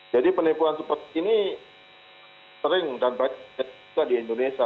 jadi penipuan seperti ini sering dan banyak juga di indonesia